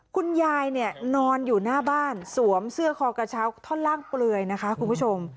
คุณยายเนี่ยนอนอยู่หน้าบ้านสวมเสื้อคอกระเช้าท่อนล่างเปลือยนะคะคุณผู้ชม